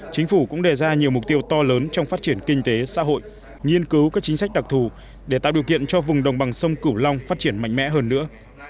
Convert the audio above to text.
chính phủ cũng đề ra nhiều mục tiêu to lớn trong phát triển kinh tế xã hội nghiên cứu các chính sách đặc thù để tạo điều kiện cho vùng đồng bằng sông cửu long phát triển mạnh mẽ hơn nữa